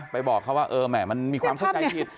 ไปบอกเขาว่าเออแหมมันมีความคิดใจผิด